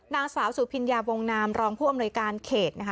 นางสาวสุพิญญาบงนามรองผู้อำนวยการเขตนะคะ